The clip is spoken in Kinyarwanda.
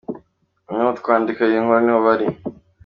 N’ubu twandika iyi nkuru niho bari.